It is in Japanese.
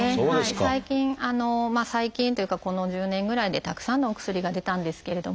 最近最近というかこの１０年ぐらいでたくさんのお薬が出たんですけれども。